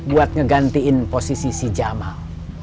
buat ngegantiin posisi si jamal